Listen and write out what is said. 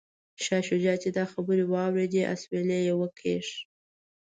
شاه شجاع چې دا خبرې واوریدې اسویلی یې وکیښ.